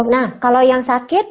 nah kalau yang sakit